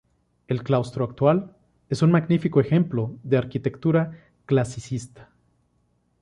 El claustro actual es un magnífico ejemplo de arquitectura clasicista.